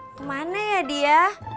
kemana ya dia